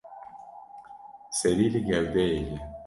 Serî li ser gewdeyê ye.